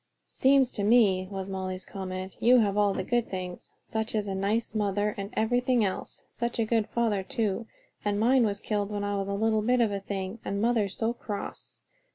"Seems to me," was Molly's comment, "you have all the good things: such a nice mother and everything else. Such a good father too, and mine was killed when I was a little bit of a thing; and mother's so cross.